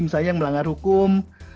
misalnya yang melanggar hukum